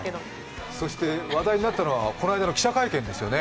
話題になったのは、この間の記者会見ですよね。